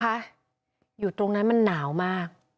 อยู่ตรงนั้นมันหนาวมาก